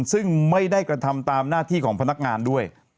ซึ่งไม่ได้กระทำตามหน้าที่ของพนักงานด้วย